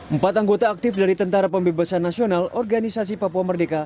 empat anggota aktif dari tentara pembebasan nasional organisasi papua merdeka